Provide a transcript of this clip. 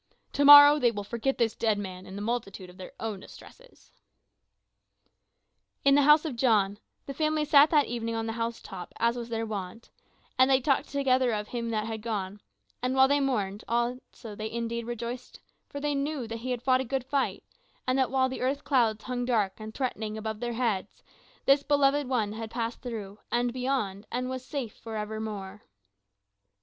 "To morrow they will forget this dead man in the multitude of their own distresses." In the house of John, the family sat that evening on the house top as was their wont, and they talked together of him that had gone; and while they mourned indeed they also rejoiced, for they knew that he had fought a good fight, and that while the earth clouds hung dark and threatening above their heads, this beloved one had passed through and beyond and was safe forever more.